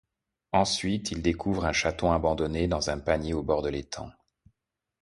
Ensuite il découvre un chaton abandonné dans un panier au bord de l'étang.